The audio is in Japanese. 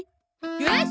よし！